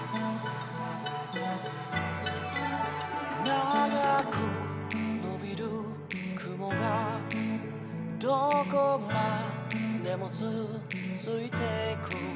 「長く伸びる雲がどこまでも続いていく」